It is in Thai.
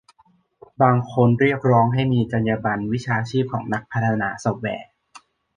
บางคนเรียกร้องให้มีจรรยาบรรณวิชาชีพของนักพัฒนาซอฟต์แวร์